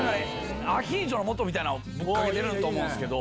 アヒージョのもとみたいなんをぶっかけてると思うんすけど。